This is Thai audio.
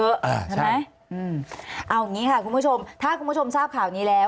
ใช่ไหมเอาอย่างนี้ค่ะคุณผู้ชมถ้าคุณผู้ชมทราบข่าวนี้แล้ว